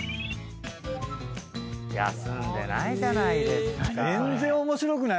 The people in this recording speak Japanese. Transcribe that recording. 休んでないじゃないですか。